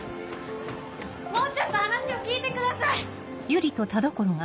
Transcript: ・もうちょっと話を聞いてください！